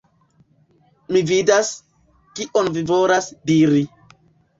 Mi vidas, kion vi volas diri.